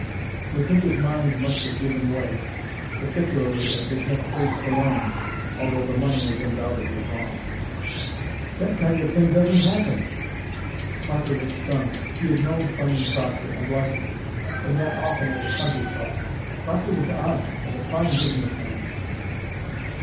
They think his mind must have given way, particularly as they can't trace the loan, although the money is undoubtedly gone." "That kind of thing doesn't happen!" Parker was stunned. He had known Fleming Proctor, and liked him. They met often at the country club. "Proctor was honest, and a fine business man!"